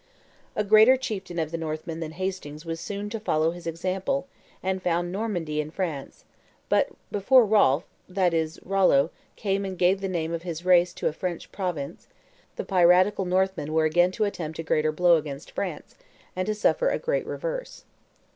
A greater chieftain of the Northmen than Hastings was soon to follow his example, and found Normandy in France; but before Rolf, that is, Rollo, came and gave the name of his race to a French province, the piratical. Northmen were again to attempt a greater blow against France, and to suffer a great reverse.